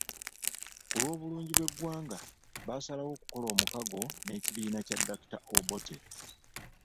Ku lw’obulungi bw’eggwanga, baasalawo okukola omukago n’ekibiina kya Dr. Obote.